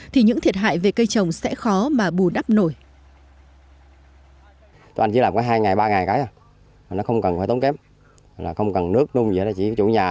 thì những thiệt hại về cây trồng sẽ khó mà bù đắp nổi